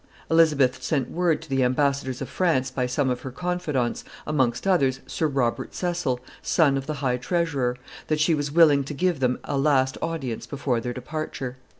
Elizabeth sent word to the ambassadors of France by some of her confidants, amongst others Sir Robert Cecil, son of the high treasurer, that she was willing to give them a last audience before their departure.